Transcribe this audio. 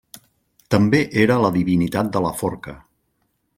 També era la divinitat de la forca.